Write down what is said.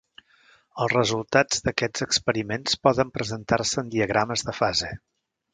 Els resultats d'aquests experiments poden presentar-se en diagrames de fase.